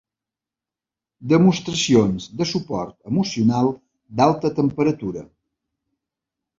Demostracions de suport emocional d'alta temperatura.